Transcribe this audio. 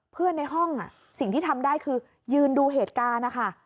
ในห้องสิ่งที่ทำได้คือยืนดูเหตุการณ์นะคะ